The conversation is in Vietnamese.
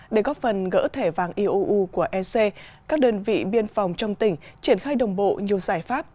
để góp phần gỡ thẻ vàng iou của ec các đơn vị biên phòng trong tỉnh triển khai đồng bộ nhiều giải pháp